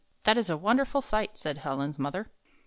"That is a wonderful sight," said Helen's mother.